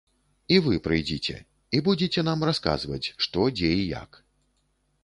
І вы прыйдзіце, і будзеце нам расказваць, што, дзе і як.